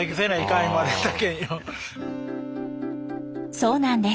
そうなんです。